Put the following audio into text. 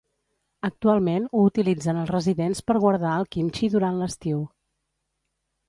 Actualment ho utilitzen els residents per guardar el Kimchi durant l'estiu.